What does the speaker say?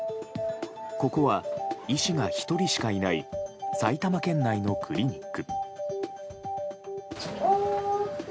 ここは医師が１人しかいない埼玉県内のクリニック。